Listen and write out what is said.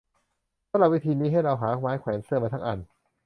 สำหรับวิธีนี้ ให้เราหาไม้แขวนเสื้อมาสักอัน